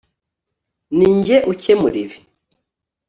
ninjye ukemura ibi